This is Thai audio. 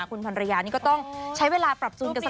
คุณพันรยานี่ก็ต้องใช้เวลาปรับจูนกันสิ